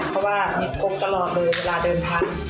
เพราะว่านิกกตลอดเลยเวลาเดินทาง